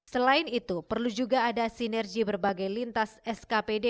selain itu perlu juga ada sinergi berbagai lintas skpd